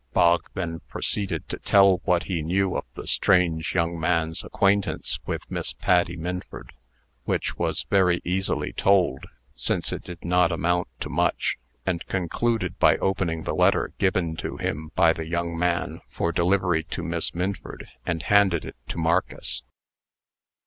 Bog then proceeded to tell what he knew of the strange young man's acquaintance with Miss Patty Minford which was very easily told, since it did not amount to much and concluded by opening the letter given to him by the young man for delivery to Miss Minford, and handed it to Marcus.